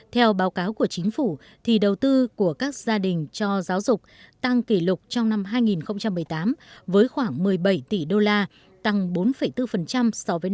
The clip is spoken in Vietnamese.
theo báo cáo của chính phủ thì đầu tư của các gia đình cho giáo dục tăng kỷ lục trong năm hai nghìn một mươi tám với khoảng một mươi bảy tỷ đô la tăng bốn bốn so với năm hai nghìn một